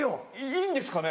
いいんですかね？